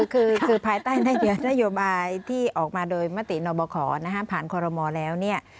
คือภายใต้นโยบายที่ออกมาโดยมตินอบขอนะฮะผ่านคอรมอลแล้วเนี่ย